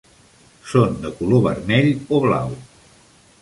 Són de color vermell o blau.